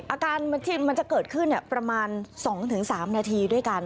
อาการมันจะเกิดขึ้นประมาณ๒๓นาทีด้วยกัน